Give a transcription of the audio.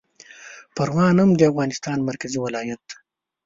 پروان هم د افغانستان مرکزي ولایت دی